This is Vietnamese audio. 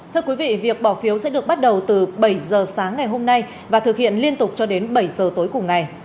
thưa quý vị việc bỏ phiếu sẽ được bắt đầu từ bảy giờ sáng ngày hôm nay và thực hiện liên tục cho đến bảy giờ tối cùng ngày